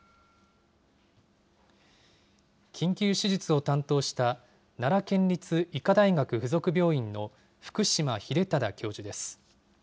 緊急手術を担当した、奈良県立医科大学附属病院の福島英賢教授です。